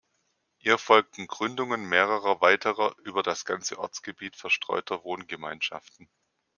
Ihr folgten Gründungen mehrerer weiterer über das ganze Ortsgebiet verstreuter Wohngemeinschaften.